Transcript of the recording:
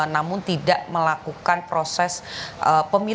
namun tidak melakukan proses pemilu